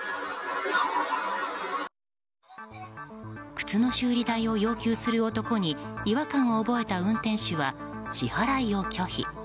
靴の修理代を要求する男に違和感を覚えた運転手は支払いを拒否。